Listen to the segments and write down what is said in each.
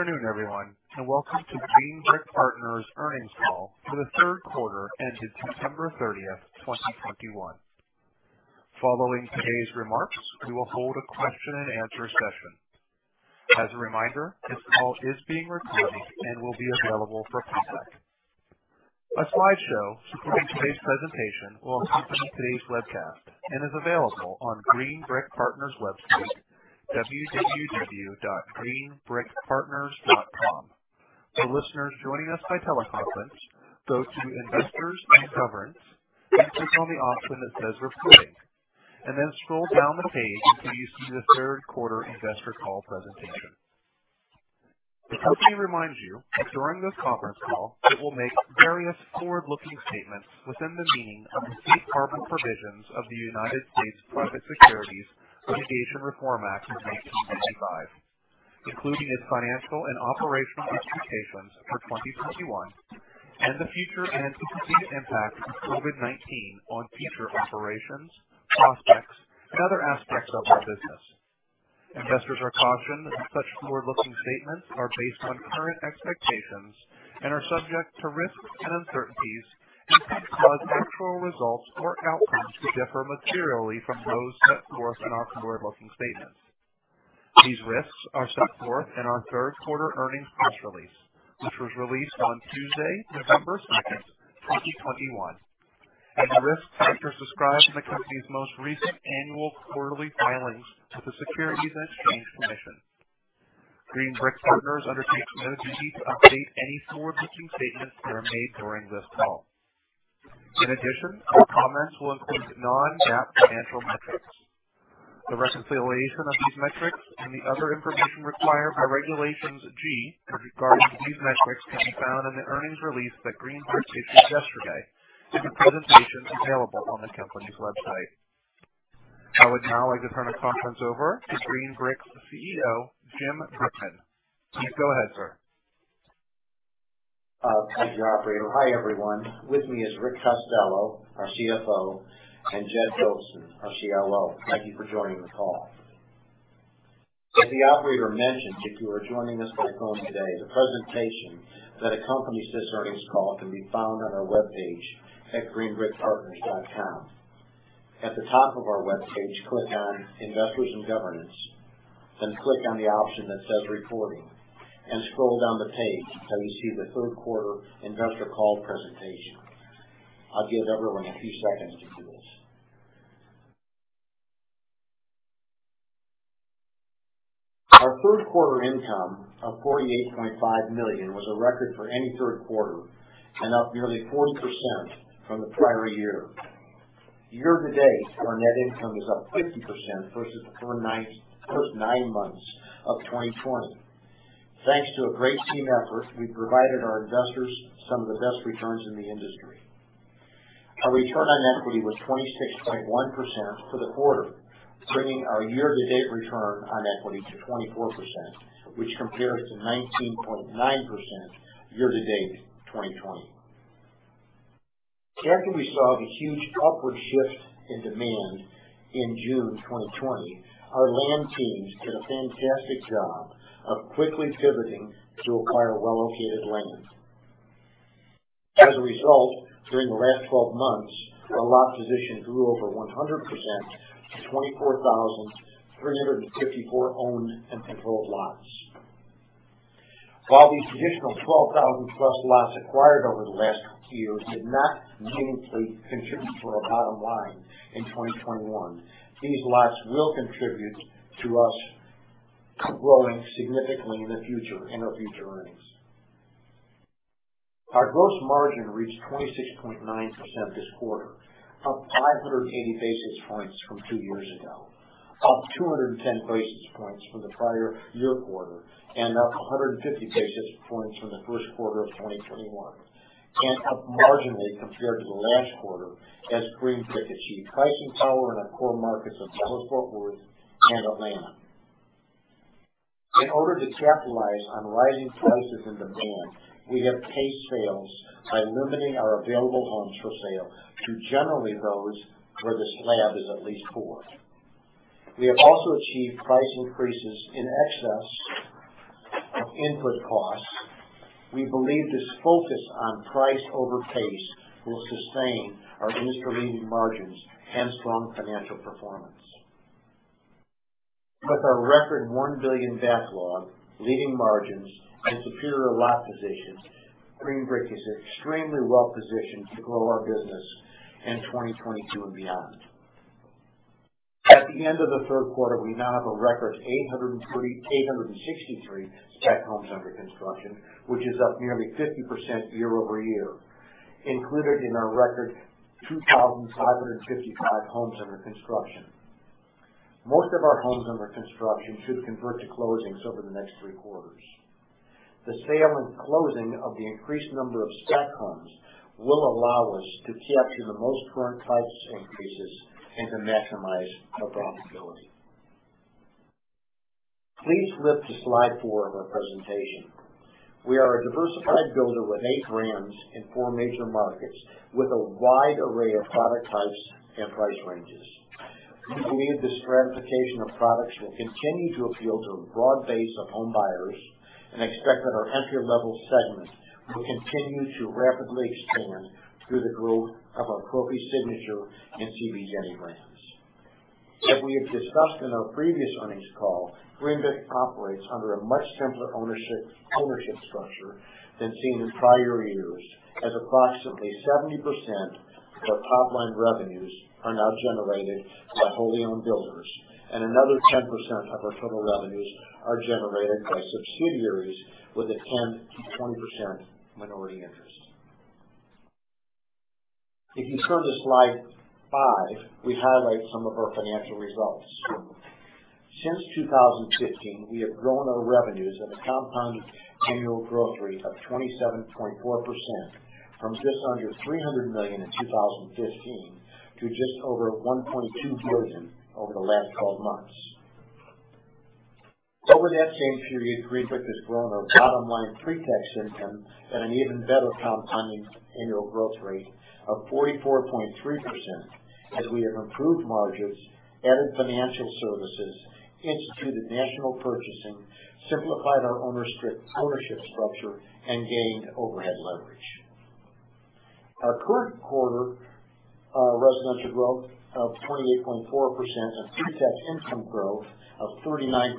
Good afternoon, everyone, and welcome to Green Brick Partners' earnings call for the third quarter ended September 30, 2021. Following today's remarks, we will hold a question and answer session. As a reminder, this call is being recorded and will be available for playback. A slideshow supporting today's presentation will accompany today's webcast and is available on Green Brick Partners' website, www.greenbrickpartners.com. For listeners joining us by teleconference, go to Investors and Governance and click on the option that says Reporting, and then scroll down the page until you see the third quarter investor call presentation. The company reminds you that during this conference call, it will make various forward-looking statements within the meaning of the safe harbor provisions of the United States Private Securities Litigation Reform Act of 1995, including its financial and operational expectations for 2021 and the future and continued impact of COVID-19 on future operations, prospects, and other aspects of our business. Investors are cautioned that such forward-looking statements are based on current expectations and are subject to risks and uncertainties and can cause actual results or outcomes to differ materially from those set forth in our forward-looking statements. These risks are set forth in our third quarter earnings press release, which was released on Tuesday, November 2, 2021, and the risks further described in the company's most recent annual and quarterly filings with the Securities and Exchange Commission. Green Brick Partners undertakes no duty to update any forward-looking statements that are made during this call. In addition, our comments will include non-GAAP financial metrics. The reconciliation of these metrics and the other information required by Regulation G regarding these metrics can be found in the earnings release that Green Brick issued yesterday and the presentation available on the company's website. I would now like to turn the conference over to Green Brick's CEO, Jim Brickman. Please go ahead, sir. Thank you, operator. Hi, everyone. With me is Rick Costello, our CFO, and Jed Dolson, our COO. Thank you for joining the call. As the operator mentioned, if you are joining us by phone today, the presentation that accompanies this earnings call can be found on our webpage at greenbrickpartners.com. At the top of our webpage, click on Investors & Governance, then click on the option that says Reporting, and scroll down the page until you see the third quarter investor call presentation. I'll give everyone a few seconds to do this. Our third quarter income of $48.5 million was a record for any third quarter and up nearly 40% from the prior year. Year to date, our net income is up 50% versus the first nine months of 2020. Thanks to a great team effort, we've provided our investors some of the best returns in the industry. Our return on equity was 26.1% for the quarter, bringing our year to date return on equity to 24%, which compares to 19.9% year to date, 2020. After we saw the huge upward shift in demand in June 2020, our land teams did a fantastic job of quickly pivoting to acquire well-located land. As a result, during the last twelve months, our lot position grew over 100% to 24,354 owned and controlled lots. While these additional 12,000+ lots acquired over the last year did not meaningfully contribute to our bottom line in 2021, these lots will contribute to us growing significantly in the future in our future earnings. Our gross margin reached 26.9% this quarter, up 580 basis points from two years ago, up 210 basis points from the prior year quarter, and up 150 basis points from the first quarter of 2021, and up marginally compared to the last quarter as Green Brick achieved pricing power in our core markets of Dallas-Fort Worth and Atlanta. In order to capitalize on rising prices and demand, we have paced sales by limiting our available homes for sale to generally those where the slab is at least poured. We have also achieved price increases in excess of input costs. We believe this focus on price over pace will sustain our industry-leading margins and strong financial performance. With our record $1 billion backlog, leading margins, and superior lot positions, Green Brick is extremely well positioned to grow our business in 2022 and beyond. At the end of the third quarter, we now have a record 863 spec homes under construction, which is up nearly 50% year-over-year. Included in our record 2,555 homes under construction. Most of our homes under construction should convert to closings over the next three quarters. The sale and closing of the increased number of spec homes will allow us to capture the most current price increases and to maximize our profitability. Please flip to slide 4 of our presentation. We are a diversified builder with 8 brands in 4 major markets, with a wide array of product types and price ranges. We believe this stratification of products will continue to appeal to a broad base of home buyers and expect that our entry-level segment will continue to rapidly expand through the growth of our Trophy Signature and CB JENI brands. We have discussed in our previous earnings call, Green Brick operates under a much simpler ownership structure than seen in prior years, as approximately 70% of our top line revenues are now generated by wholly owned builders, and another 10% of our total revenues are generated by subsidiaries with a 10%-20% minority interest. If you turn to slide 5, we highlight some of our financial results. Since 2015, we have grown our revenues at a compounded annual growth rate of 27.4% from just under $300 million in 2015 to just over $1.2 billion over the last 12 months. Over that same period, Green Brick has grown our bottom line pretax income at an even better compounded annual growth rate of 44.3% as we have improved margins, added financial services, instituted national purchasing, simplified our ownership structure, and gained overhead leverage. Our third quarter residential growth of 28.4% and pretax income growth of 39.3%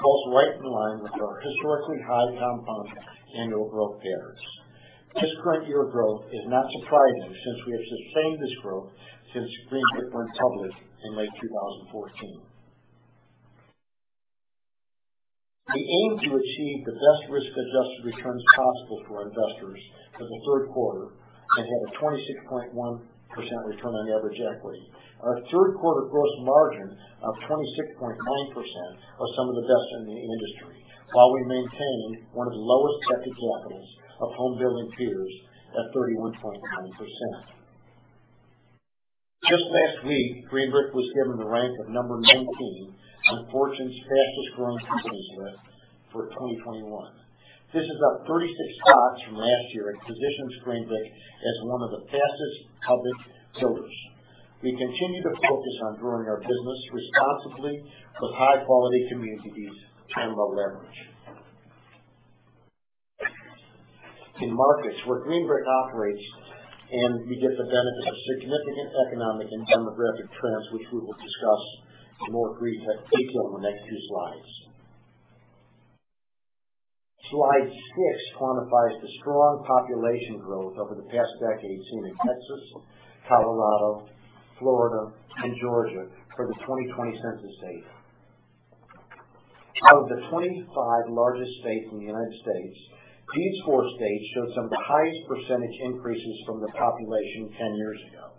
falls right in line with our historically high compounded annual growth rates. This current year growth is not surprising since we have sustained this growth since Green Brick went public in late 2014. We aim to achieve the best risk-adjusted returns possible for our investors for the third quarter and had a 26.1% return on average equity. Our third quarter gross margin of 26.9% was some of the best in the industry, while we maintained one of the lowest debt-to-capital of home building peers at 31.9%. Just last week, Green Brick was given the rank of number 19 on Fortune's Fastest Growing Companies list for 2021. This is up 36 spots from last year and positions Green Brick as one of the fastest public builders. We continue to focus on growing our business responsibly with high quality communities and low leverage. In markets where Green Brick operates and we get the benefit of significant economic and demographic trends, which we will discuss more briefly in detail in the next few slides. Slide six quantifies the strong population growth over the past decade seen in Texas, Colorado, Florida, and Georgia for the 2020 census data. Out of the 25 largest states in the United States, these four states showed some of the highest percentage increases from the population 10 years ago.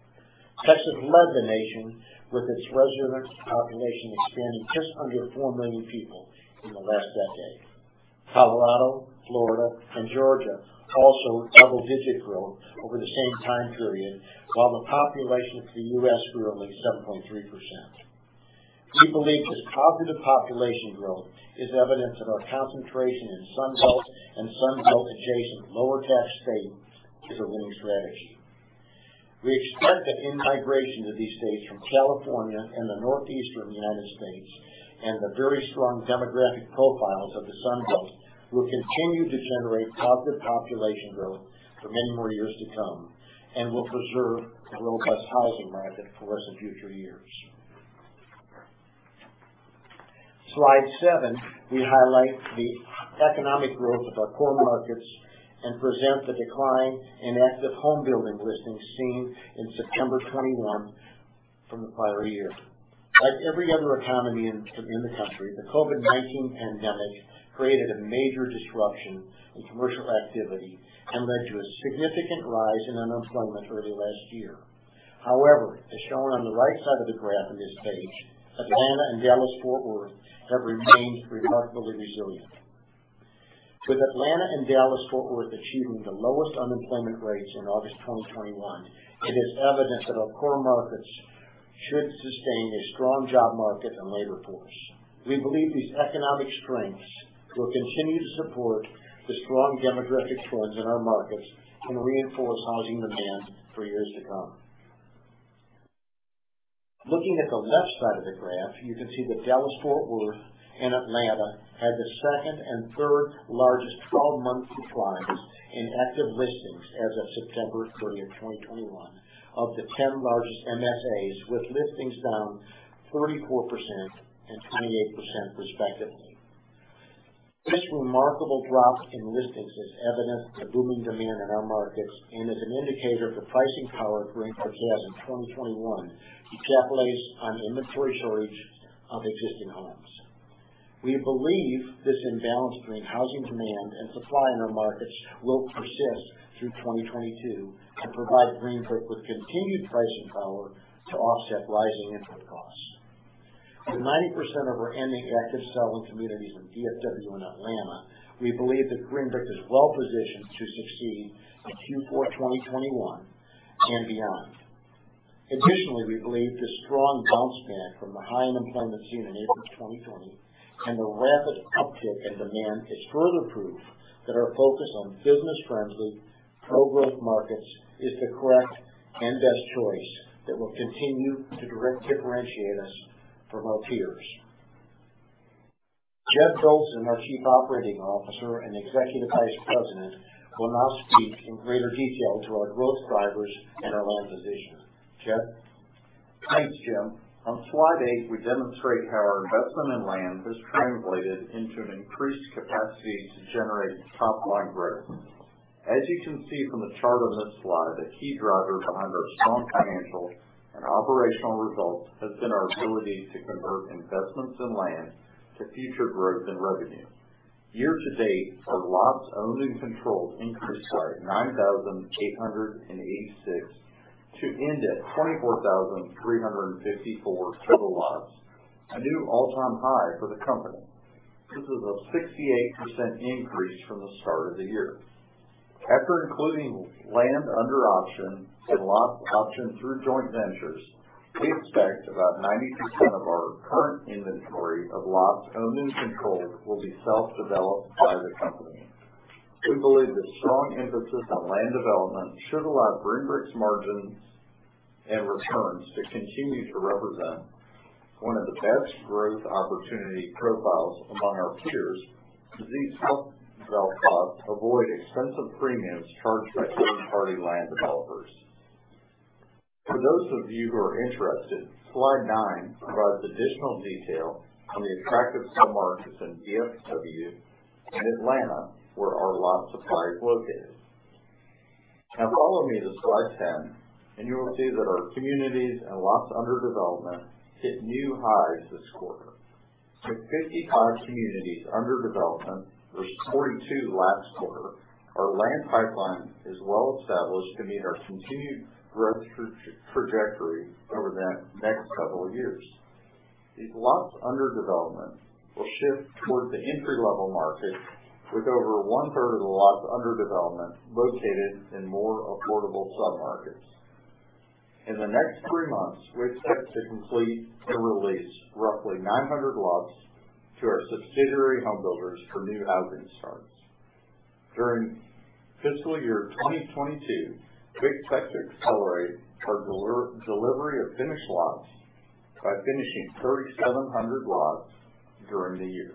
Texas led the nation with its resident population expanding just under 4 million people in the last decade. Colorado, Florida, and Georgia also showed double-digit growth over the same time period, while the population of the U.S. grew only 7.3%. We believe this positive population growth is evidence that our concentration in Sun Belt and Sun Belt-adjacent lower tax states is a winning strategy. We expect that in-migration to these states from California and the northeastern United States and the very strong demographic profiles of the Sun Belt will continue to generate positive population growth for many more years to come and will preserve a low-cost housing market for us in future years. Slide 7, we highlight the economic growth of our core markets and present the decline in active home building listings seen in September 2021 from the prior year. Like every other economy in the country, the COVID-19 pandemic created a major disruption in commercial activity and led to a significant rise in unemployment early last year. However, as shown on the right side of the graph on this page, Atlanta and Dallas-Fort Worth have remained remarkably resilient. With Atlanta and Dallas-Fort Worth achieving the lowest unemployment rates in August 2021, it is evidence that our core markets should sustain a strong job market and labor force. We believe these economic strengths will continue to support the strong demographic trends in our markets and reinforce housing demand for years to come. Looking at the left side of the graph, you can see that Dallas-Fort Worth and Atlanta had the second and third largest 12-month supplies in active listings as of September 30, 2021 of the 10 largest MSAs, with listings down 44% and 28% respectively. This remarkable drop in listings is evident of the booming demand in our markets and is an indicator of the pricing power Green Brick has in 2021 to capitalize on inventory shortage of existing homes. We believe this imbalance between housing demand and supply in our markets will persist through 2022 and provide Green Brick with continued pricing power to offset rising input costs. With 90% of our ending active selling communities in DFW and Atlanta, we believe that Green Brick is well-positioned to succeed in Q4 2021 and beyond. Additionally, we believe the strong bounce back from the high unemployment seen in April 2020 and the rapid uptick in demand is further proof that our focus on business-friendly pro-growth markets is the correct and best choice that will continue to direct differentiate us from our peers. Jed Dolson, our Chief Operating Officer and Executive Vice President, will now speak in greater detail to our growth drivers and our land position. Jed? Thanks, Jim. On slide eight, we demonstrate how our investment in land has translated into an increased capacity to generate top-line growth. As you can see from the chart on this slide, the key driver behind our strong financials and operational results has been our ability to convert investments in land to future growth in revenue. Year-to-date, our lots owned and controlled increased by 9,886 to end at 24,354 total lots, a new all-time high for the company. This is a 68% increase from the start of the year. After including land under option and lot option through joint ventures, we expect about 92% of our current inventory of lots owned and controlled will be self-developed by the company. We believe the strong emphasis on land development should allow Green Brick margins and returns to continue to represent one of the best growth opportunity profiles among our peers as these self-developed lots avoid expensive premiums charged by third-party land developers. For those of you who are interested, slide 9 provides additional detail on the attractive submarkets in DFW and Atlanta, where our lot supply is located. Now follow me to slide 10, and you will see that our communities and lots under development hit new highs this quarter. With 55 communities under development versus 42 last quarter, our land pipeline is well established to meet our continued growth trajectory over the next couple of years. These lots under development will shift towards the entry-level market, with over one-third of the lots under development located in more affordable submarkets. In the next three months, we expect to complete and release roughly 900 lots to our subsidiary homebuilders for new housing starts. During fiscal year 2022, we expect to accelerate our delivery of finished lots by finishing 3,700 lots during the year.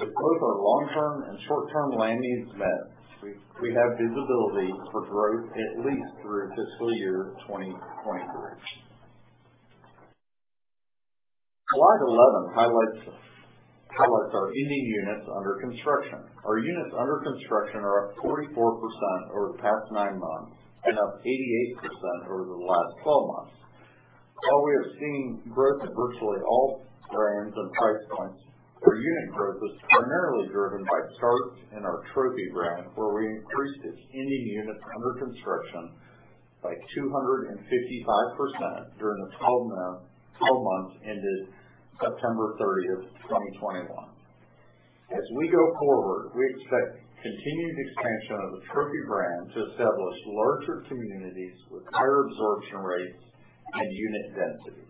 With both our long-term and short-term land needs met, we have visibility for growth at least through fiscal year 2023. Slide 11 highlights our ending units under construction. Our units under construction are up 44% over the past 9 months and up 88% over the last 12 months. While we have seen growth in virtually all brands and price points, our unit growth is primarily driven by starts in our Trophy brand, where we increased its ending units under construction by 255% during the 12 months ended September 30, 2021. As we go forward, we expect continued expansion of the Trophy brand to establish larger communities with higher absorption rates and unit density.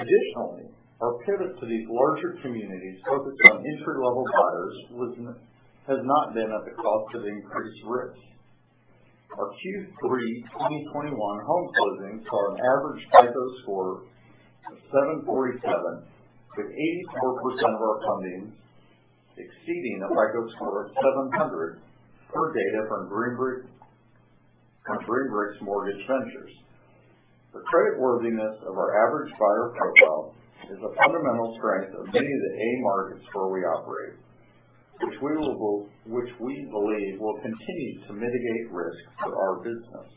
Additionally, our pivot to these larger communities focused on entry-level buyers has not been at the cost of increased risk. Our Q3 2021 home closings saw an average FICO score of 747, with 84% of our closings exceeding a FICO score of 700, per data from Green Brick Mortgage. The creditworthiness of our average buyer profile is a fundamental strength of many of the A markets where we operate, which we believe will continue to mitigate risk to our business.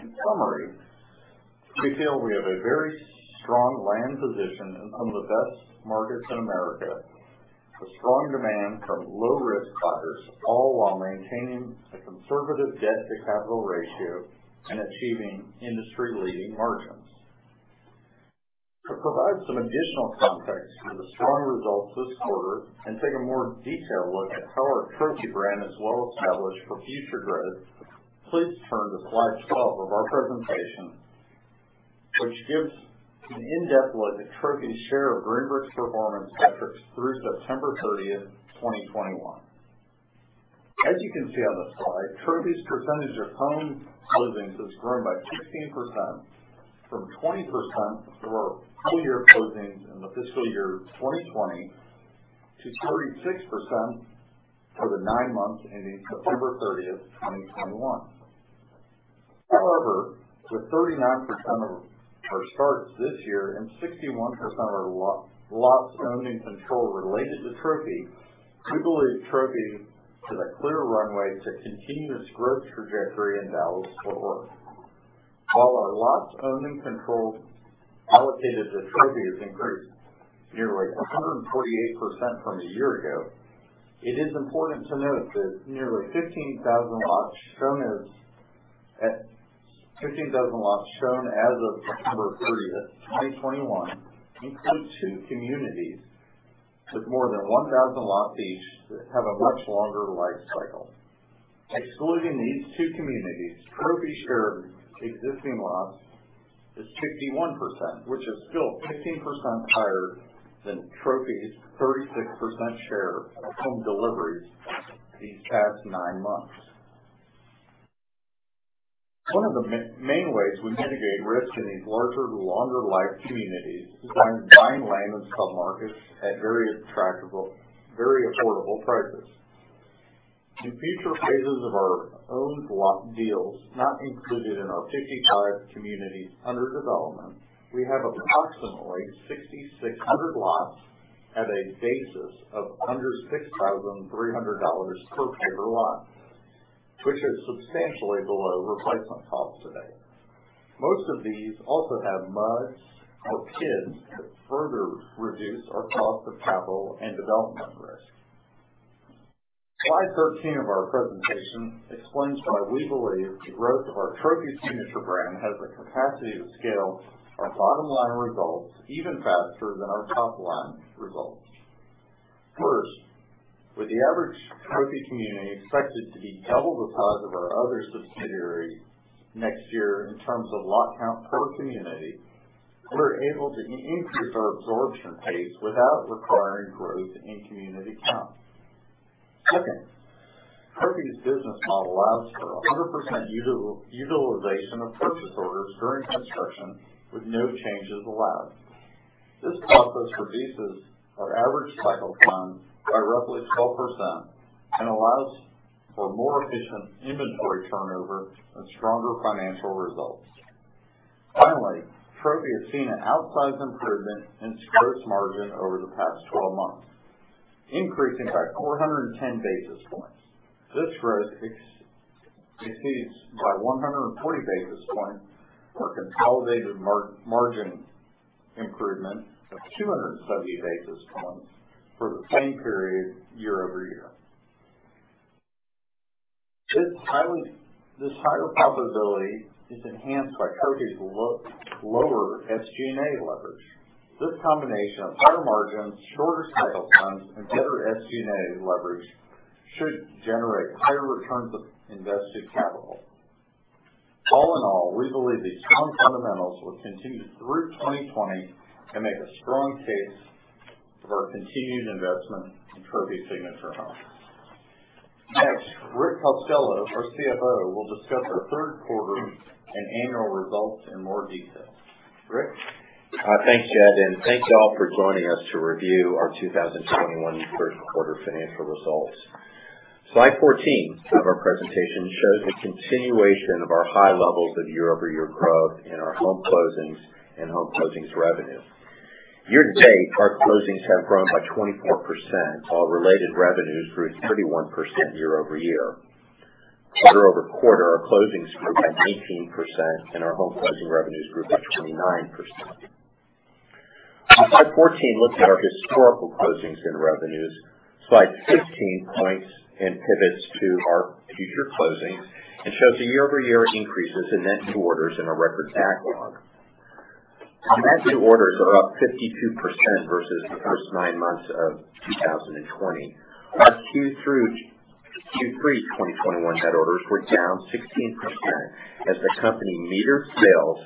In summary, we feel we have a very strong land position in some of the best markets in America, with strong demand from low risk buyers, all while maintaining a conservative debt-to-capital ratio and achieving industry-leading margins. To provide some additional context for the strong results this quarter and take a more detailed look at how our Trophy brand is well established for future growth, please turn to slide 12 of our presentation, which gives an in-depth look at Trophy's share of Green Brick performance metrics through September 30, 2021. As you can see on the slide, Trophy's percentage of home closings has grown by 15% from 20% of our full year closings in the fiscal year 2020 to 36% for the 9 months ending September 30, 2021. However, with 39% of our starts this year and 61% of our lots owned and controlled related to Trophy, we believe Trophy has a clear runway to continue this growth trajectory into our forward. While our lots owned and controlled allocated to Trophy has increased nearly 148% from a year ago, it is important to note that nearly 15,000 lots shown as of September 30, 2021 include two communities with more than 1,000 lots each that have a much longer life cycle. Excluding these two communities, Trophy share existing lots is 51%, which is still 15% higher than Trophy's 36% share of home deliveries these past nine months. One of the main ways we mitigate risk in these larger, longer life communities is by buying land in submarkets at very attractive, very affordable prices. In future phases of our owned lot deals, not included in our 55 communities under development, we have approximately 6,600 lots at a basis of under $6,300 per acre lot, which is substantially below replacement cost today. Most of these also have MUDs or PIDs that further reduce our cost of capital and development risk. Slide 13 of our presentation explains why we believe the growth of our Trophy Signature brand has the capacity to scale our bottom line results even faster than our top line results. First, with the average Trophy community expected to be double the size of our other subsidiaries next year in terms of lot count per community, we're able to increase our absorption pace without requiring growth in community count. Second, Trophy's business model allows for 100% utilization of purchase orders during construction with no changes allowed. This process reduces our average cycle time by roughly 12% and allows for more efficient inventory turnover and stronger financial results. Finally, Trophy has seen an outsized improvement in its gross margin over the past 12 months, increasing by 410 basis points. This growth exceeds by 140 basis points our consolidated margin improvement of 270 basis points for the same period year over year. This higher profitability is enhanced by Trophy's lower SG&A leverage. This combination of higher margins, shorter sales times, and better SG&A leverage should generate higher returns of invested capital. All in all, we believe these strong fundamentals will continue through 2020 and make a strong case for our continued investment in Trophy Signature Homes. Next, Rick Costello, our CFO, will discuss our third quarter and annual results in more detail. Rick? Thanks, Jed, and thank you all for joining us to review our 2021 first quarter financial results. Slide 14 of our presentation shows the continuation of our high levels of year-over-year growth in our home closings and home closings revenue. Year to date, our closings have grown by 24%, while related revenues grew 31% year over year. Quarter over quarter, our closings grew by 18% and our home closing revenues grew by 29%. Slide 14 looks at our historical closings and revenues. Slide 15 points and pivots to our future closings and shows the year-over-year increases in net new orders in our record backlog. Our net new orders are up 52% versus the first nine months of 2020. Our Q3 2021 net orders were down 16% as the company metered sales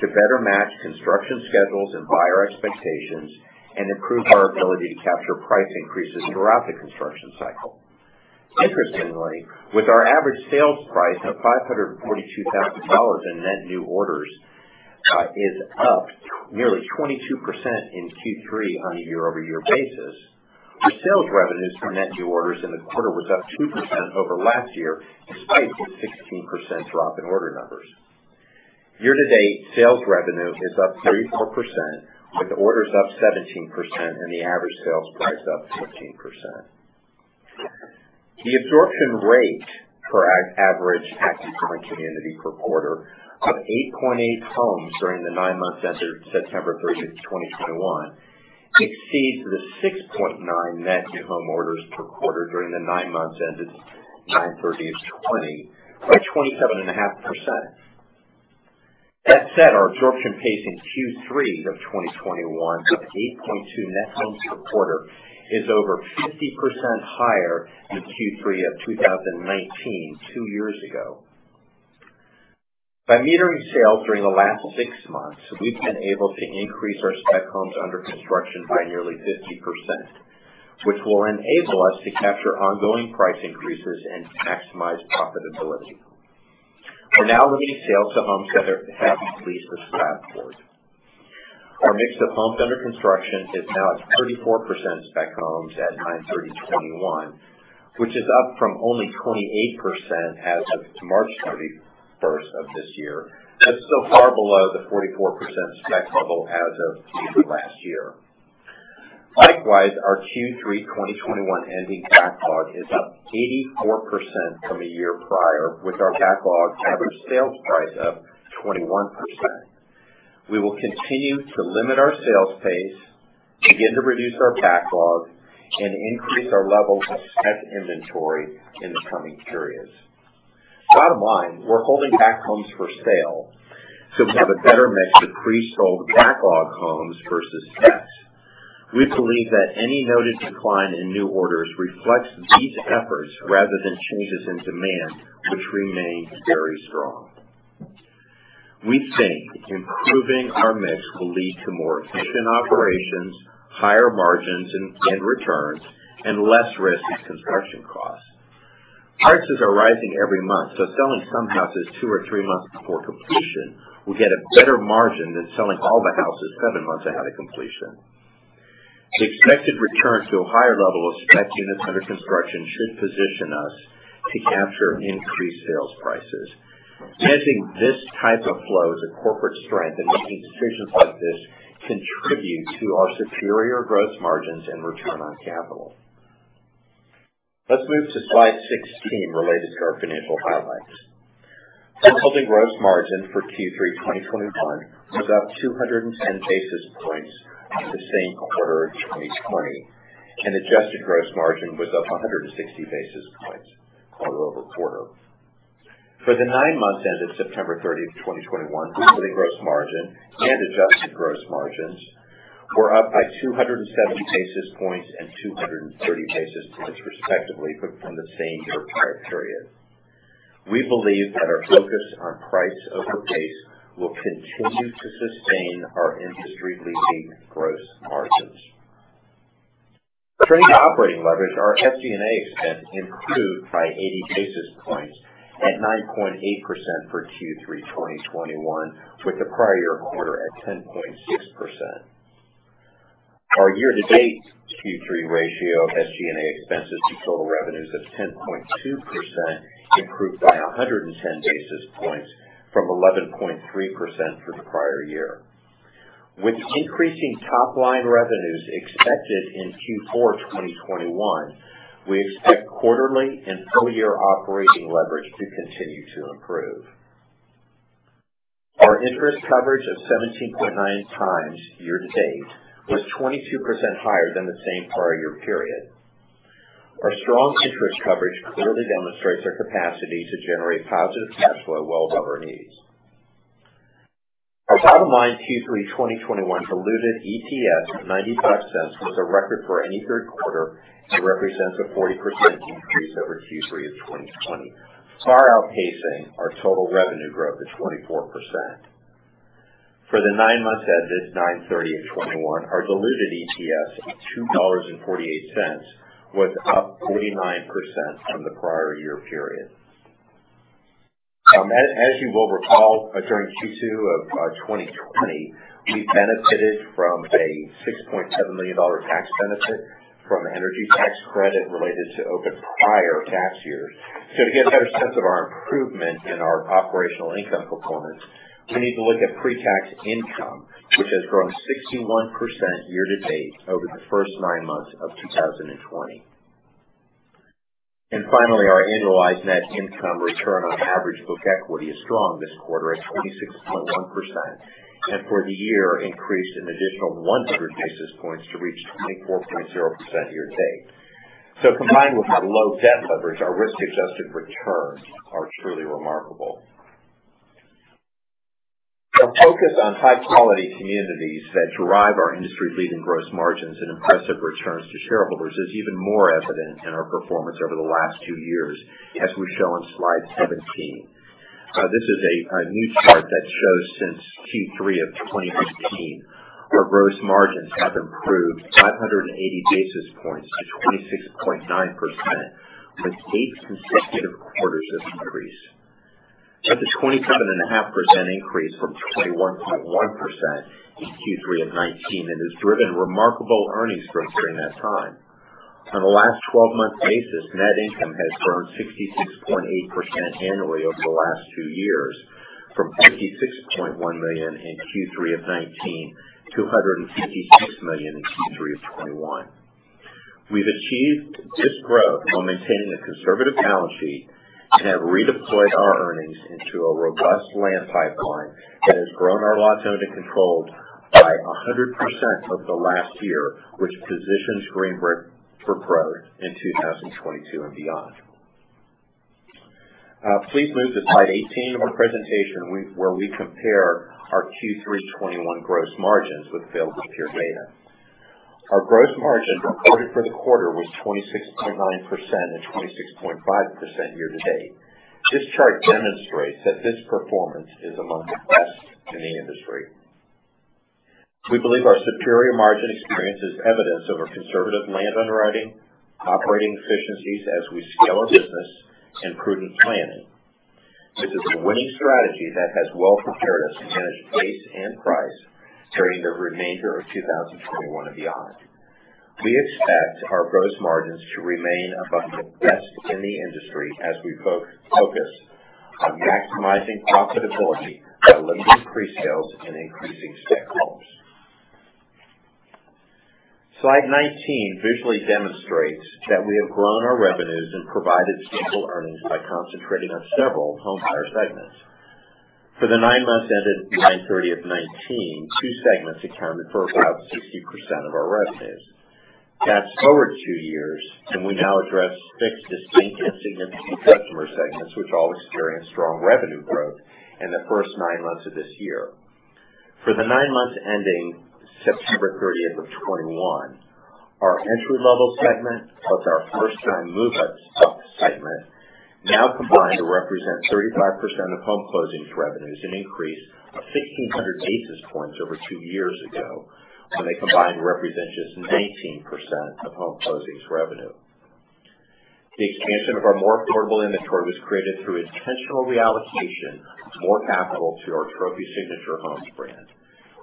to better match construction schedules and buyer expectations and improve our ability to capture price increases throughout the construction cycle. Interestingly, with our average sales price of $542,000 in net new orders is up nearly 22% in Q3 on a year-over-year basis. Our sales revenues from net new orders in the quarter was up 2% over last year, despite the 16% drop in order numbers. Year to date, sales revenue is up 34%, with orders up 17% and the average sales price up 15%. The absorption rate for our average active home community per quarter of 8.8 homes during the nine months ended September 30, 2021, exceeds the 6.9 net new home orders per quarter during the nine months ended September 30, 2020 by 27.5%. That said, our absorption pace in Q3 of 2021 of 8.2 net homes per quarter is over 50% higher than Q3 of 2019, two years ago. By metering sales during the last six months, we've been able to increase our spec homes under construction by nearly 50%, which will enable us to capture ongoing price increases and maximize profitability. For now, limiting sales to homes that have at least a slab poured. Our mix of homes under construction is now at 34% spec homes at 9/30/2021, which is up from only 28% as of March 31 of this year, but still far below the 44% spec level as of Q3 last year. Likewise, our Q3 2021 ending backlog is up 84% from a year prior, with our backlog average sales price up 21%. We will continue to limit our sales pace, begin to reduce our backlog, and increase our level of spec inventory in the coming periods. Bottom line, we're holding back homes for sale so we have a better mix of pre-sold backlog homes versus specs. We believe that any noted decline in new orders reflects these efforts rather than changes in demand, which remains very strong. We think improving our mix will lead to more efficient operations, higher margins and returns, and less risky construction costs. Prices are rising every month, so selling some houses 2 or 3 months before completion will get a better margin than selling all the houses 7 months ahead of completion. The expected return to a higher level of spec units under construction should position us to capture increased sales prices. Managing this type of flow is a corporate strength, and making decisions like this contribute to our superior gross margins and return on capital. Let's move to slide 16 related to our financial highlights. Our holding gross margin for Q3 2021 was up 210 basis points from the same quarter in 2020, and adjusted gross margin was up 160 basis points quarter over quarter. For the 9 months ended September 30, 2021, our gross margin and adjusted gross margins were up by 207 basis points and 230 basis points respectively from the same year prior period. We believe that our focus on price over pace will continue to sustain our industry-leading gross margins. Turning to operating leverage, our SG&A expense improved by 80 basis points at 9.8% for Q3 2021, with the prior year quarter at 10.6%. Our year-to-date Q3 ratio of SG&A expenses to total revenues of 10.2% improved by 110 basis points from 11.3% for the prior year. With increasing top line revenues expected in Q4 2021, we expect quarterly and full year operating leverage to continue to improve. Our interest coverage of 17.9 times year to date was 22% higher than the same prior year period. Our strong interest coverage clearly demonstrates our capacity to generate positive cash flow well above our needs. Our bottom line, Q3 2021 diluted EPS $0.95, was a record for any third quarter and represents a 40% increase over Q3 of 2020, far outpacing our total revenue growth of 24%. For the nine months ended September 30, 2021, our diluted EPS of $2.48 was up 49% from the prior year period. As you will recall, during Q2 of 2020, we benefited from a $6.7 million tax benefit from energy tax credit related to open prior tax years. To get a better sense of our improvement in our operational income performance, we need to look at pre-tax income, which has grown 61% year to date over the first nine months of 2020. Finally, our annualized net income return on average book equity is strong this quarter at 26.1%. For the year, increased an additional 100 basis points to reach 24.0% year to date. Combined with our low debt leverage, our risk-adjusted returns are truly remarkable. The focus on high quality communities that drive our industry-leading gross margins and impressive returns to shareholders is even more evident in our performance over the last two years, as we show on slide 17. This is a new chart that shows since Q3 of 2019, our gross margins have improved 580 basis points to 26.9%, with eight consecutive quarters of increase. That's a 27.5% increase from 21.1% in Q3 of 2019, and has driven remarkable earnings growth during that time. On a last twelve-month basis, net income has grown 66.8% annually over the last two years from $56.1 million in Q3 of 2019 to $156 million in Q3 of 2021. We've achieved this growth while maintaining a conservative balance sheet and have redeployed our earnings into a robust land pipeline that has grown our lots owned and controlled by 100% over the last year, which positions Green Brick for growth in 2022 and beyond. Please move to slide 18 of our presentation where we compare our Q3 2021 gross margins with peers' data. Our gross margin reported for the quarter was 26.9% and 26.5% year to date. This chart demonstrates that this performance is among the best in the industry. We believe our superior margin experience is evidence of our conservative land underwriting, operating efficiencies as we scale a business, and prudent planning. This is a winning strategy that has well prepared us to manage pace and price during the remainder of 2021 and beyond. We expect our gross margins to remain among the best in the industry as we focus on maximizing profitability by limiting pre-sales and increasing spec homes. Slide 19 visually demonstrates that we have grown our revenues and provided stable earnings by concentrating on several homebuyer segments. For the 9 months ended June 30, 2019, 2 segments accounted for about 60% of our revenues. Fast forward 2 years, and we now address 6 distinct and significant customer segments which all experience strong revenue growth in the first 9 months of this year. For the 9 months ending September 30, 2021, our entry-level segment plus our first time move-up segment now combine to represent 35% of home closings revenues, an increase of 1,600 basis points over 2 years ago when they combined to represent just 19% of home closings revenue. The expansion of our more affordable inventory was created through intentional reallocation of more capital to our Trophy Signature Homes brand.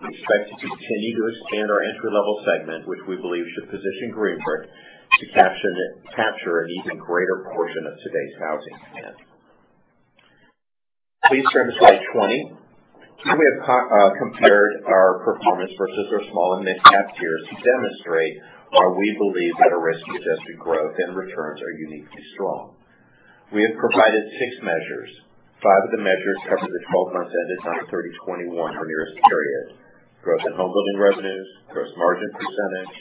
We expect to continue to expand our entry-level segment, which we believe should position Green Brick to capture an even greater portion of today's housing demand. Please turn to slide 20. Here we have compared our performance versus our small and mid-cap peers to demonstrate why we believe that our risk-adjusted growth and returns are uniquely strong. We have provided six measures. Five of the measures cover the 12 months ended on the 31st of 2021, our nearest period. Growth in homebuilding revenues, gross margin percentage,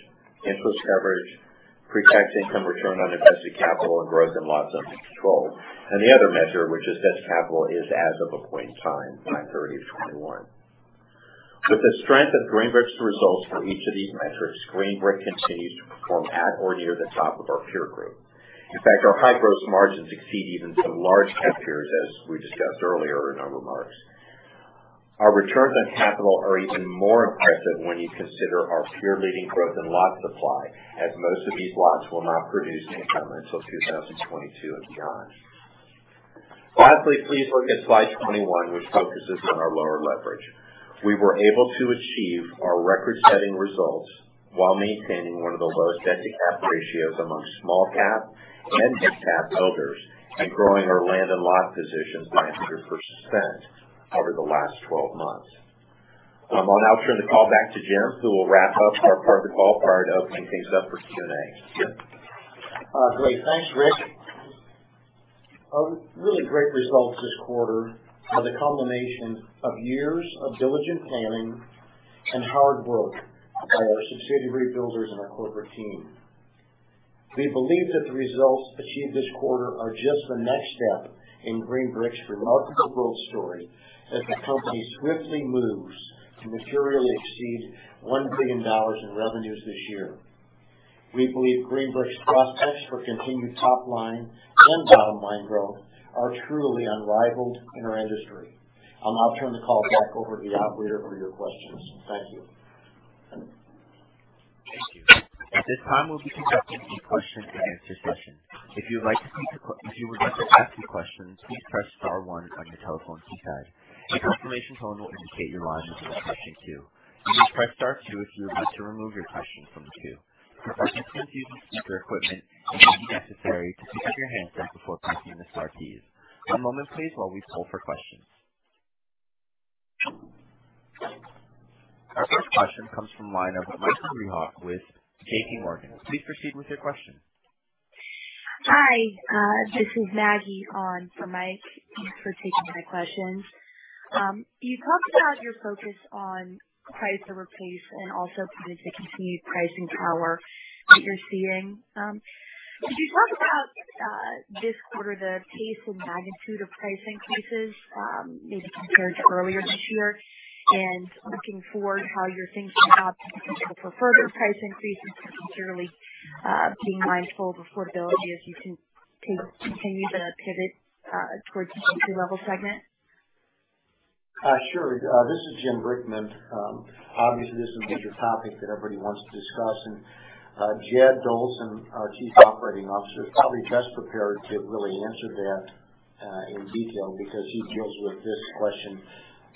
interest coverage, pre-tax income return on invested capital, and growth in lots under control. The other measure, which is net capital, is as of a point in time, July 30, 2021. With the strength of Green Brick's results for each of these metrics, Green Brick continues to perform at or near the top of our peer group. In fact, our high gross margins exceed even some large cap peers, as we discussed earlier in our remarks. Our returns on capital are even more impressive when you consider our peer-leading growth in lot supply, as most of these lots will not produce income until 2022 and beyond. Lastly, please look at slide 21, which focuses on our lower leverage. We were able to achieve our record-setting results while maintaining one of the lowest debt-to-cap ratios among small cap and midcap builders and growing our land and lot positions by 100% over the last 12 months. I'll now turn the call back to Jim, who will wrap up our part of the call prior to opening things up for Q&A. Jim? Great. Thanks, Rick. Our really great results this quarter are the culmination of years of diligent planning and hard work by our subsidiary builders and our corporate team. We believe that the results achieved this quarter are just the next step in Green Brick's remarkable growth story as the company swiftly moves to materially exceed $1 billion in revenues this year. We believe Green Brick's prospects for continued top line and bottom line growth are truly unrivaled in our industry. I'll now turn the call back over to the operator for your questions. Thank you. Thank you. At this time, we'll be conducting a question-and-answer session. If you would like to ask a question, please press star one on your telephone keypad. A confirmation tone will indicate your line is in the question queue. You may press star two if you would like to remove your question from the queue. For participants using speaker equipment, it may be necessary to pick up your handset before pressing the star keys. One moment please while we poll for questions. Our first question comes from the line of Michael Rehaut with JPMorgan. Please proceed with your question. Hi, this is Maggie on for Mike. Thanks for taking my questions. You talked about your focus on price over pace and also pointed to continued pricing power that you're seeing. Could you talk about this quarter the pace and magnitude of price increases, maybe compared to earlier this year, and looking forward, how you're thinking about potential for further price increases, particularly being mindful of affordability as you continue the pivot towards the entry-level segment? Sure. This is Jim Brickman. Obviously, this is a major topic that everybody wants to discuss. Jed Dolson, our Chief Operating Officer, is probably best prepared to really answer that in detail because he deals with this question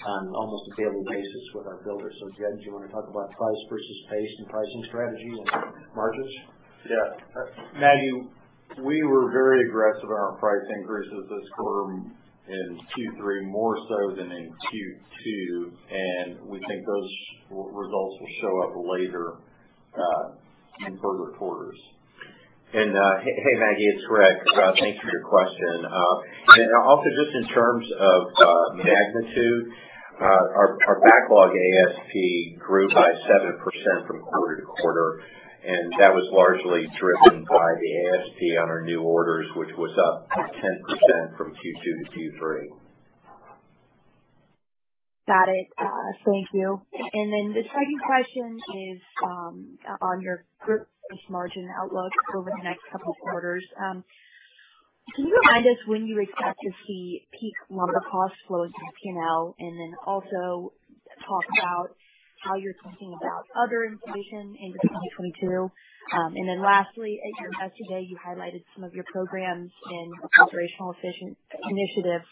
on almost a daily basis with our builders. Jed, do you wanna talk about price versus pace and pricing strategy and margins? Yeah. Maggie, we were very aggressive on our price increases this quarter in Q3, more so than in Q2, and we think those results will show up later in further quarters. Hey, Maggie, it's Rick. Thanks for your question. Also just in terms of magnitude, our backlog ASP grew by 7% from quarter to quarter, and that was largely driven by the ASP on our new orders, which was up 10% from Q2 to Q3. Got it. Thank you. The second question is on your gross margin outlook over the next couple of quarters. Can you remind us when you expect to see peak lumber costs flow into P&L? And then also talk about how you're thinking about other inflation in 2022. Lastly, at your investor day, you highlighted some of your programs and operational efficiency initiatives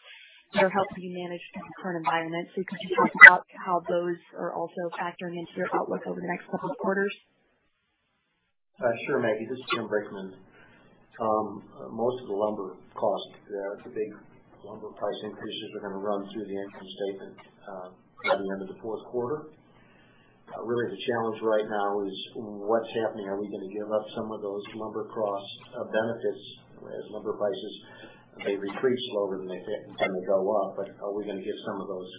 that are helping you manage the current environment. Could you talk about how those are also factoring into your outlook over the next couple of quarters? Sure, Maggie. This is Jim Brickman. Most of the lumber cost, the big lumber price increases are gonna run through the income statement by the end of the fourth quarter. Really the challenge right now is what's happening. Are we gonna give up some of those lumber cost benefits as lumber prices may retreat slower than they did when they go up? Are we gonna get some of those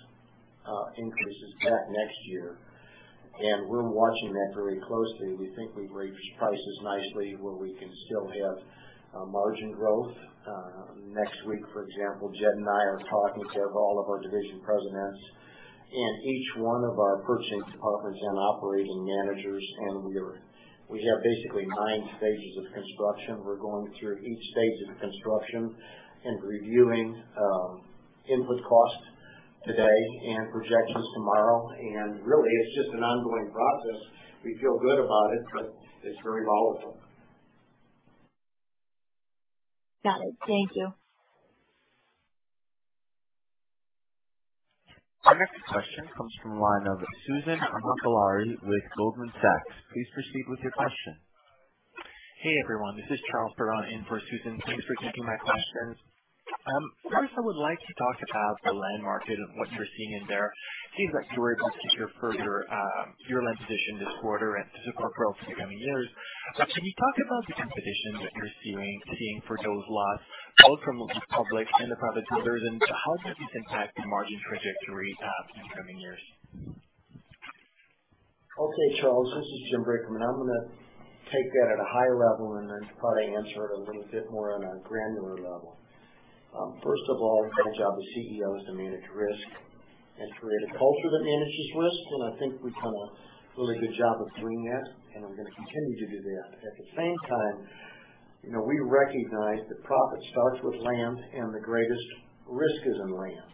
increases back next year? We're watching that very closely. We think we've reached prices nicely where we can still have margin growth. Next week, for example, Jed and I are talking to all of our division presidents and each one of our purchasing departments and operating managers, and we have basically nine stages of construction. We're going through each stage of construction and reviewing input costs today and projections tomorrow. Really, it's just an ongoing process. We feel good about it, but it's very volatile. Got it. Thank you. Our next question comes from the line of Susan Maklari with Goldman Sachs. Please proceed with your question. Hey, everyone. This is Charles Perron-Piche in for Susan. Thanks for taking my questions. First I would like to talk about the land market and what you're seeing in there. It seems like you were able to secure further your land position this quarter and to support growth in the coming years. Can you talk about the competition that you're seeing for those lots, both from the public and the private builders, and how does this impact the margin trajectory in coming years? Okay, Charles, this is Jim Brickman. I'm gonna take that at a high level and then Todd will answer it a little bit more on a granular level. First of all, the job of CEO is to manage risk and create a culture that manages risk, and I think we've done a really good job of doing that, and we're gonna continue to do that. At the same time, you know, we recognize that profit starts with land, and the greatest risk is in land.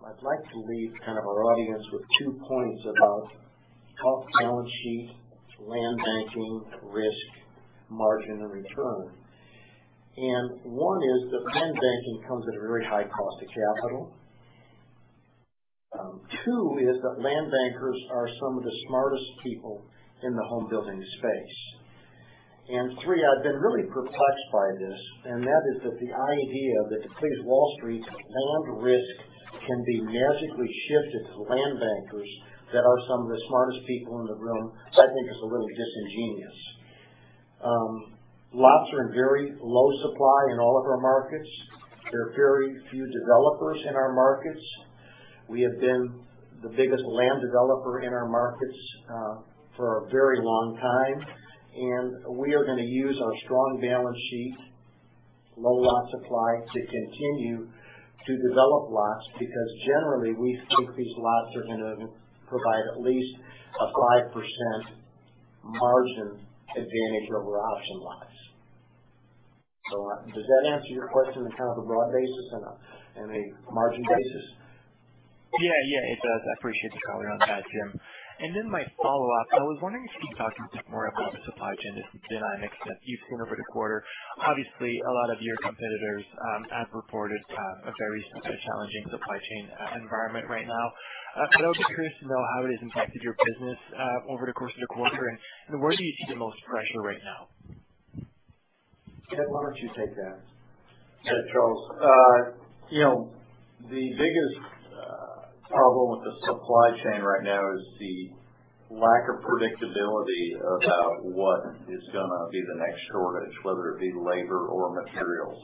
I'd like to leave kind of our audience with two points about off-balance-sheet land banking, risk, margin, and return. One is that land banking comes at a very high cost of capital. Two is that land bankers are some of the smartest people in the home building space. Three, I've been really perplexed by this, and that is that the idea that to please Wall Street, land risk can be magically shifted to land bankers that are some of the smartest people in the room, I think is a little disingenuous. Lots are in very low supply in all of our markets. There are very few developers in our markets. We have been the biggest land developer in our markets, for a very long time, and we are gonna use our strong balance sheet, low lot supply, to continue to develop lots, because generally, we think these lots are gonna provide at least a 5% margin advantage over option lots. Does that answer your question on kind of a broad basis and a, and a margin basis? Yeah. Yeah, it does. I appreciate the color on that, Jim. My follow-up, I was wondering if you could talk a bit more about the supply chain dynamics that you've seen over the quarter. Obviously, a lot of your competitors have reported a very sort of challenging supply chain environment right now. I was just curious to know how it has impacted your business over the course of the quarter, and where do you see the most pressure right now? Jed, why don't you take that? Yeah, Charles. You know, the biggest problem with the supply chain right now is the lack of predictability about what is gonna be the next shortage, whether it be labor or materials.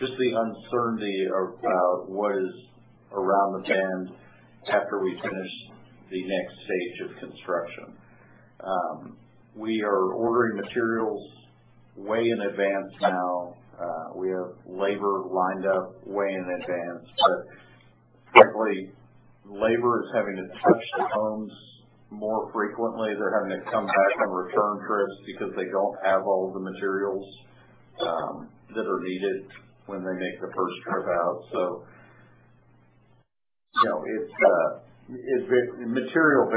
Just the uncertainty about what is around the bend after we finish the next stage of construction. We are ordering materials way in advance now. We have labor lined up way in advance. Frankly, labor is having to touch the homes more frequently. They're having to come back on return trips because they don't have all the materials that are needed when they make the first trip out. You know, material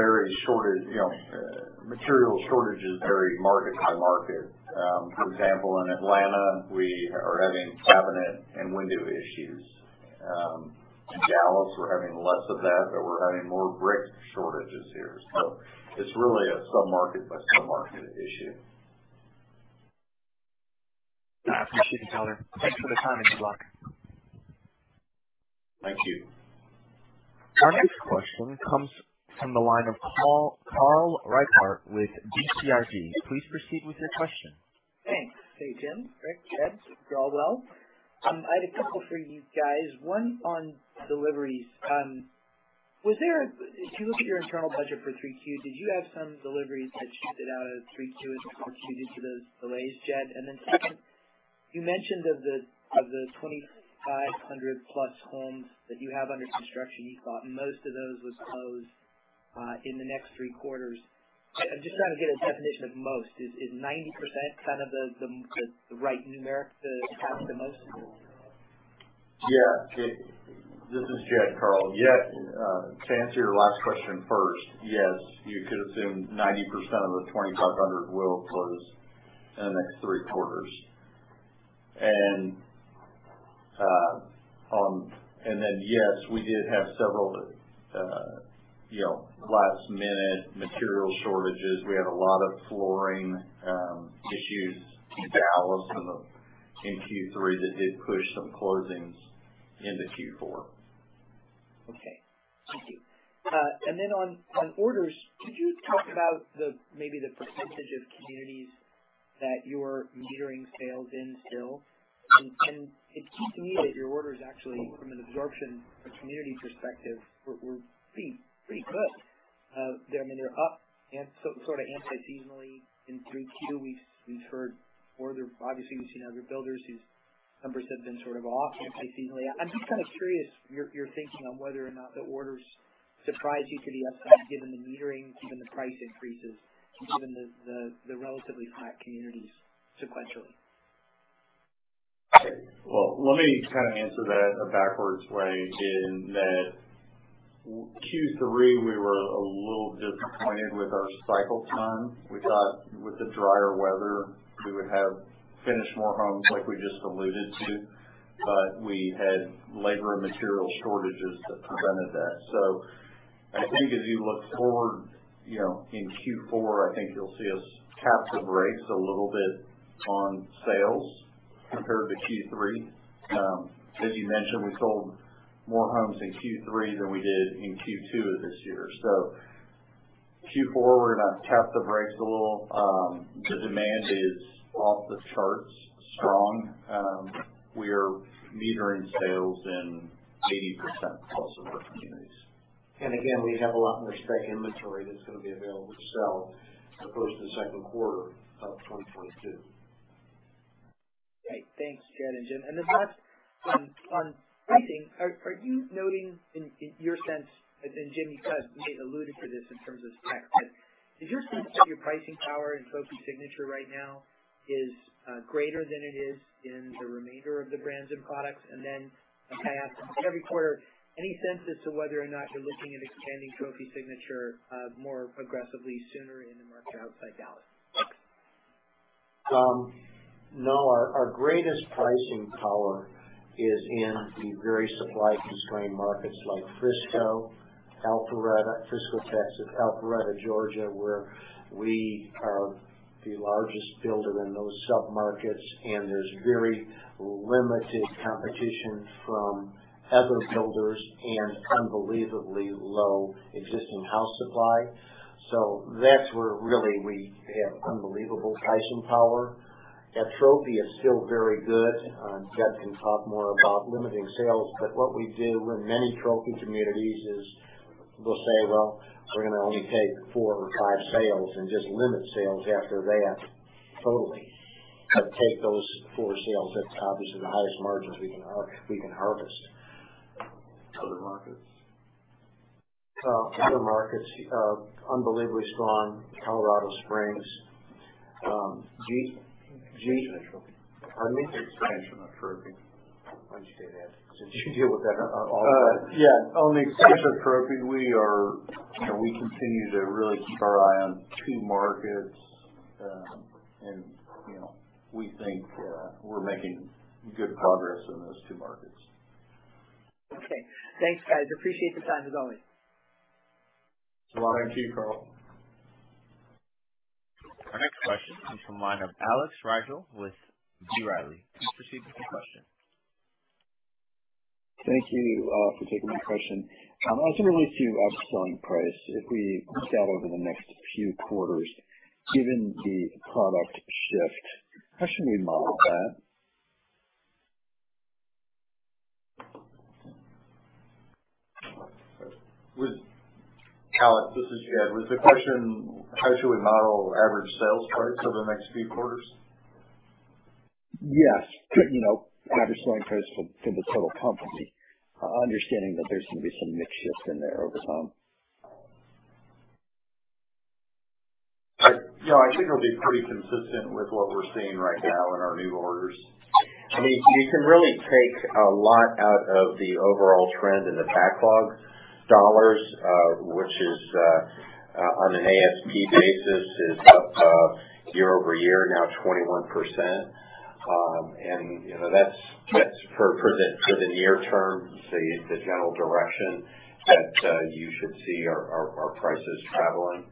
shortages vary market by market. For example, in Atlanta, we are having cabinet and window issues. In Dallas, we're having less of that, but we're having more brick shortages here. It's really a sub-market by sub-market issue. I appreciate the color. Thanks for the time, and good luck. Thank you. Our next question comes from the line of Carl Reichardt with BTIG. Please proceed with your question. Thanks. Hey, Jim, Rick, Jed. Hope you're all well. I had a couple for you guys. One on deliveries. Was there, if you look at your internal budget for 3Q, did you have some deliveries that shifted out of 3Q as a result due to the delays, Jed? Second, you mentioned of the 2,500 plus homes that you have under construction, you thought most of those would close in the next three quarters. I'm just trying to get a definition of most. Is 90% kind of the right numeric to kind of the most? Yeah. This is Jed, Carl. Yeah. To answer your last question first, yes, you could assume 90% of the 2,500 will close in the next three quarters. Yes, we did have several last-minute material shortages. We had a lot of flooring issues in Dallas in Q3 that did push some closings into Q4. Okay. Thank you. On orders, could you talk about the percentage of communities that you're metering sales in still? It seems to me that your orders actually from an absorption or community perspective were pretty good. I mean, they're up sort of anti-seasonally through Q. We've heard orders, obviously we've seen other builders whose numbers have been sort of off anti-seasonally. I'm just kind of curious about your thinking on whether or not the orders surprise you to the upside, given the metering, given the price increases, given the relatively flat communities sequentially. Well, let me kind of answer that a backwards way. Q3 we were a little disappointed with our cycle time. We thought with the drier weather we would have finished more homes like we just alluded to, but we had labor and material shortages that prevented that. I think as you look forward, you know, in Q4, I think you'll see us tap the brakes a little bit on sales compared to Q3. As you mentioned, we sold more homes in Q3 than we did in Q2 of this year. Q4, we're gonna tap the brakes a little. The demand is off the charts strong. We are metering sales in 80% plus of our communities. Again, we have a lot more spec inventory that's gonna be available to sell as opposed to the second quarter of 2022. Great. Thanks, Jed and Jim. Last, on pricing, are you noting in your sense, and Jim, you kind of may have alluded to this in terms of spec, but is your sense that your pricing power in Trophy Signature right now is greater than it is in the remainder of the brands and products? I ask every quarter, any sense as to whether or not you're looking at expanding Trophy Signature more aggressively sooner in the market outside Dallas? No. Our greatest pricing power is in the very supply constrained markets like Frisco, Alpharetta, Frisco, Texas, Alpharetta, Georgia, where we are the largest builder in those submarkets. There's very limited competition from other builders and unbelievably low existing house supply. That's where really we have unbelievable pricing power. At Trophy is still very good. Jed can talk more about limiting sales, but what we do in many Trophy communities is we'll say, "Well, we're gonna only take 4 or 5 sales," and just limit sales after that totally. Take those 4 sales. That's obviously the highest margins we can harvest. Other markets. Other markets, unbelievably strong. Colorado Springs. Expansion of Trophy. Pardon me? Expansion of Trophy. Why don't you take that since you deal with that on a daily? Yeah. On the expansion of Trophy, we are, you know, we continue to really keep our eye on two markets. You know, we think, we're making good progress in those two markets. Okay. Thanks, guys. Appreciate the time as always. You're welcome. Thank you, Carl. Our next question comes from the line of Alex Rygiel with B. Riley. Please proceed with your question. Thank you for taking my question. Ultimately to ASP, if we look out over the next few quarters, given the product shift, how should we model that? Alex, this is Jed. Was the question how should we model average sales price over the next few quarters? Yes. You know, average selling price for the total company, understanding that there's gonna be some mix shift in there over time. No, I think it'll be pretty consistent with what we're seeing right now in our new orders. I mean, you can really take a lot out of the overall trend in the backlog dollars, which is on an ASP basis up year-over-year now 21%. You know, that's for the near term, the general direction that you should see our prices traveling.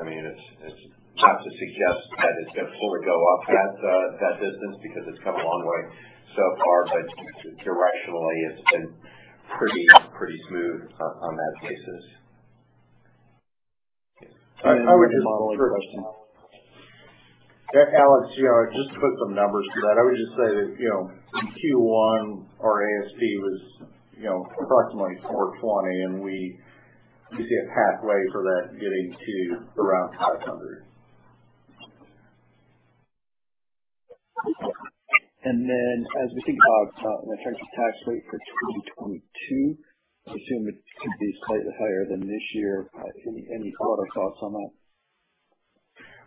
I mean, it's not to suggest that it's gonna fully go up that distance because it's come a long way so far. Directionally it's been pretty smooth on that basis. Modeling question. Alex, you know, just to put some numbers to that, I would just say that, you know, in Q1 our ASP was, you know, approximately $420, and we, you see a pathway for that getting to around $500. As we think about the effective tax rate for 2022, I assume it could be slightly higher than this year. Any thoughts on that?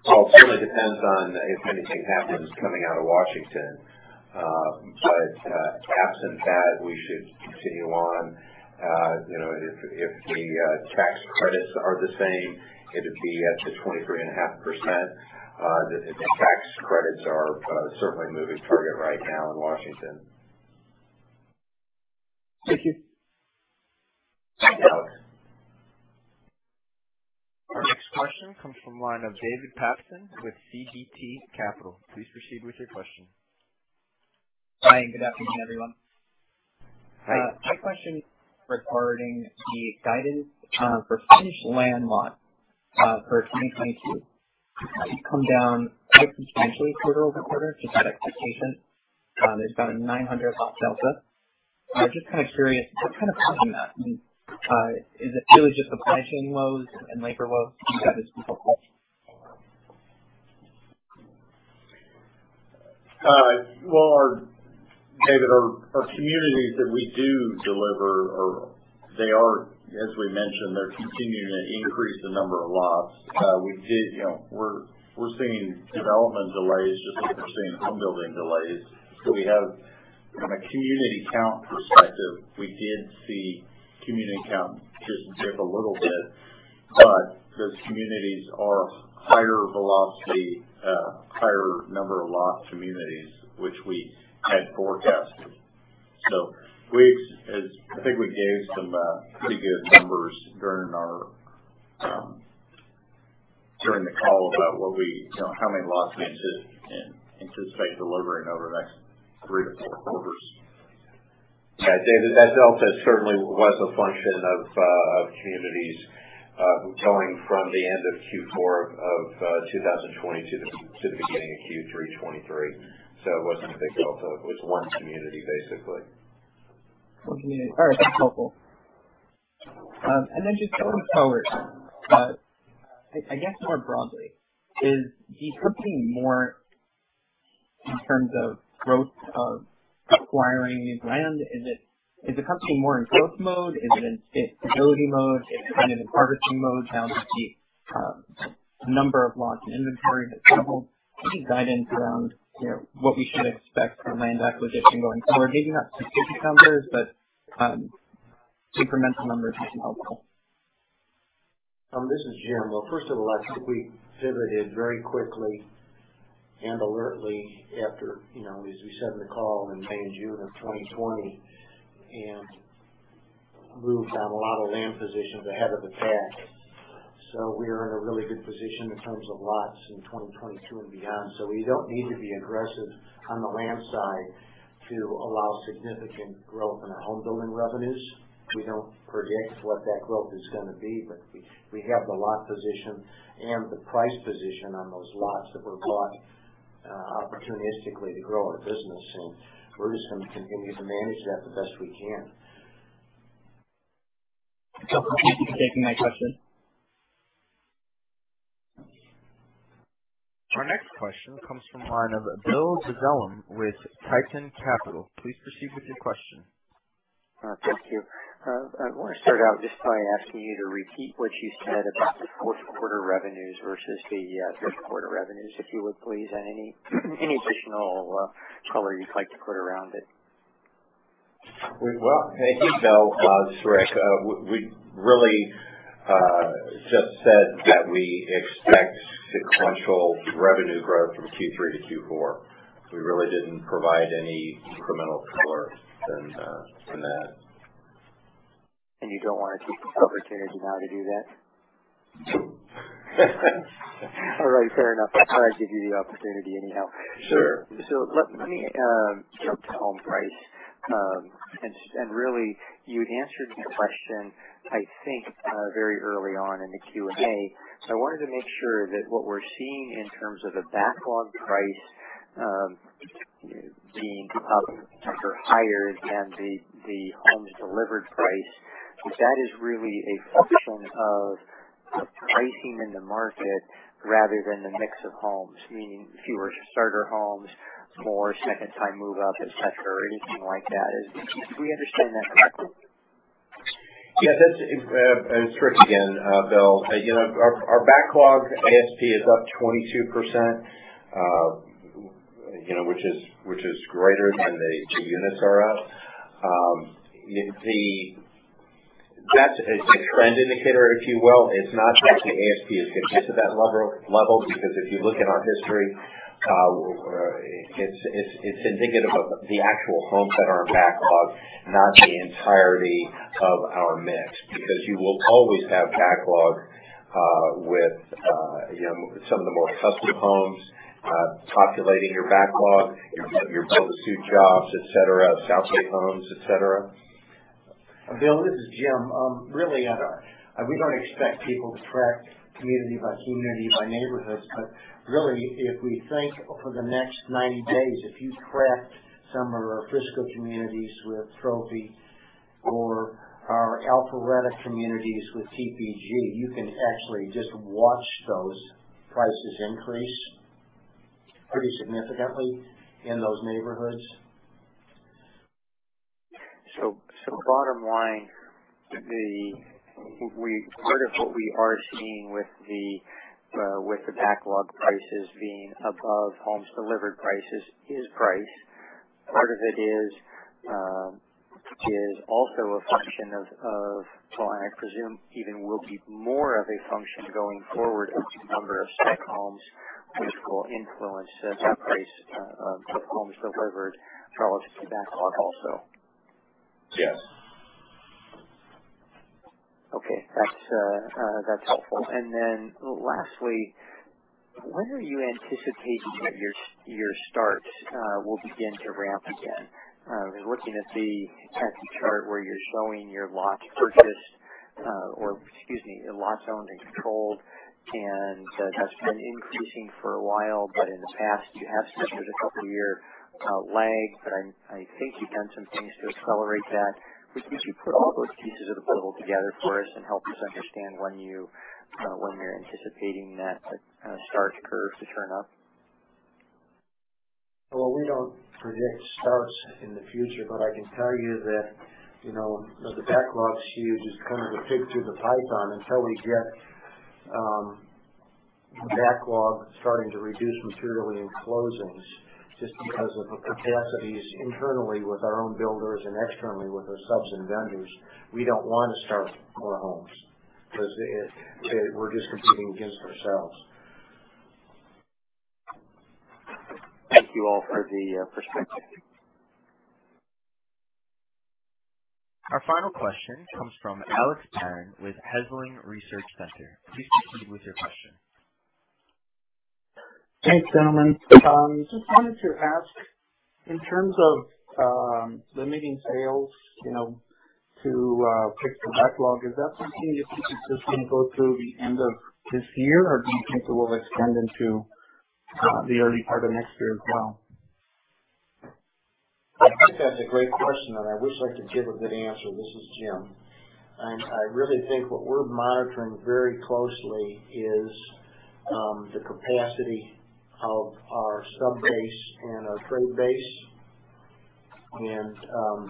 Well, it really depends on if anything happens coming out of Washington. Absent that, we should continue on. You know, if the tax credits are the same, it'd be at the 23.5%. The tax credits are certainly a moving target right now in Washington. Thank you. Thanks, Alex. Question comes from line of David Papson with CDT Capital. Please proceed with your question. Hi, and good afternoon, everyone. Hi. My question regarding the guidance for finished land lot for 2022. It's come down quite substantially quarter-over-quarter, just outside expectations. It's about a 900 lot delta. I'm just kind of curious what kind of Well, David, our communities that we do deliver are, as we mentioned, continuing to increase the number of lots. You know, we're seeing development delays just like we're seeing home building delays. From a community count perspective, we did see community count dip a little bit. But those communities are higher velocity, higher number of lot communities which we had forecasted. I think we gave some pretty good numbers during the call about what we, you know, how many lots we anticipate delivering over the next 3-4 quarters. Yeah, David, that delta certainly was a function of communities going from the end of Q4 of 2020 to the beginning of Q3 2023. It wasn't a big delta. It was one community, basically. One community. All right. That's helpful. Just going forward, I guess more broadly, is the company more in terms of growth, of acquiring new land? Is it, is the company more in growth mode? Is it in stability mode? Is it kind of in harvesting mode now that the number of lots in inventory has doubled? Any guidance around, you know, what we should expect for land acquisition going forward? Maybe not specific numbers, but incremental numbers would be helpful. This is Jim. Well, first of all, I think we pivoted very quickly and alertly after, you know, as we said on the call in May and June of 2020 and moved on a lot of land positions ahead of the pack. We are in a really good position in terms of lots in 2022 and beyond. We don't need to be aggressive on the land side to allow significant growth in our homebuilding revenues. We don't predict what that growth is gonna be, but we have the lot position and the price position on those lots that were bought opportunistically to grow our business, and we're just gonna continue to manage that the best we can. Thank you for taking my question. Our next question comes from the line of Bill Dezellem with Tieton Capital. Please proceed with your question. Thank you. I want to start out just by asking you to repeat what you said about the fourth quarter revenues versus the third quarter revenues, if you would, please, and any additional color you'd like to put around it. Well, I think, Bill, this is Rick. We really just said that we expect sequential revenue growth from Q3 to Q4. We really didn't provide any incremental color than that. You don't want to take the opportunity now to do that? All right. Fair enough. I thought I'd give you the opportunity anyhow. Sure. Let me jump to home price. Really you answered the question, I think, very early on in the Q&A. I wanted to make sure that what we're seeing in terms of the backlog price being up or higher than the homes delivered price, that is really a function of pricing in the market rather than the mix of homes, meaning fewer starter homes, more second time move up, et cetera, anything like that. Do we understand that correctly? Yeah. That's it. It's Rick again, Bill. You know, our backlog ASP is up 22%, you know, which is greater than the units are up. That's a trend indicator, if you will. It's not that the ASP has gotten to that level because if you look at our history, it's indicative of the actual homes that are in backlog, not the entirety of our mix. Because you will always have backlog with you know, some of the more custom homes populating your backlog, your build to suit jobs, et cetera, south-facing homes, et cetera. Bill, this is Jim. Really, we don't expect people to track community by community by neighborhoods. Really, if we think over the next 90 days, if you tracked some of our Frisco communities with Trophy or our Alpharetta communities with TPG, you can actually just watch those prices increase pretty significantly in those neighborhoods. Bottom line, part of what we are seeing with the backlog prices being above homes delivered prices is price. Part of it is also a function of, well, and I presume even will be more of a function going forward, the number of spec homes which will influence the price of homes delivered relative to backlog also. Yes. Okay. That's helpful. Lastly, when are you anticipating that your starts will begin to ramp again? Looking at the capacity chart where you're showing your lots owned and controlled, and that's been increasing for a while, but in the past, you have suffered a couple-year lag. I think you've done some things to accelerate that. Can you put all those pieces of the puzzle together for us and help us understand when you're anticipating that kind of start curve to turn up? Well, we don't predict starts in the future, but I can tell you that, you know, the backlog's huge. It's kind of the pig through the python. Until we get backlog starting to reduce materially in closings just because of the capacities internally with our own builders and externally with our subs and vendors, we don't wanna start more homes because we're just competing against ourselves. Thank you all for the perspective. Our final question comes from Alex [Rygiel] with Housing Research Center. Please proceed with your question. Thanks, gentlemen. Just wanted to ask, in terms of limiting sales, you know, to fix the backlog, is that something that you think is just gonna go through the end of this year? Or do you think it will extend into the early part of next year as well? I think that's a great question, and I wish I could give a good answer. This is Jim. I really think what we're monitoring very closely is the capacity of our sub base and our trade base.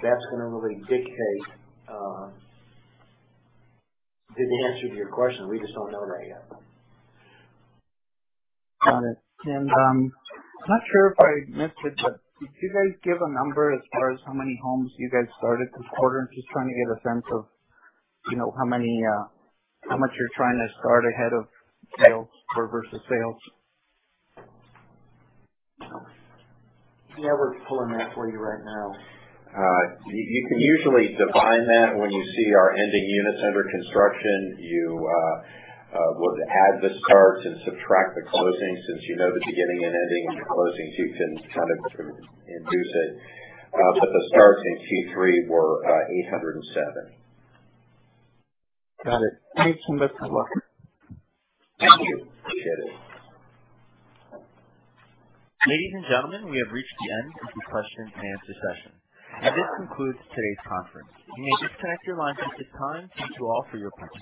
That's gonna really dictate the answer to your question. We just don't know that yet. Got it. I'm not sure if I missed it, but did you guys give a number as far as how many homes you guys started this quarter? I'm just trying to get a sense of, you know, how many, how much you're trying to start ahead of sales or versus sales. Yeah, we're pulling that for you right now. You can usually divine that when you see our ending units under construction. You would add the starts and subtract the closings. Since you know the beginning and ending and the closings, you can kind of deduce it. The starts in Q3 were 807. Got it. Thanks so much. Have a look. Thank you. Appreciate it. Ladies and gentlemen, we have reached the end of the question and answer session, and this concludes today's conference. You may disconnect your lines at this time. Thank you all for your participation.